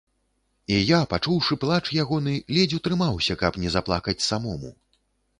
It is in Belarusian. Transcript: І я, пачуўшы плач ягоны, ледзь утрымаўся, каб не заплакаць самому.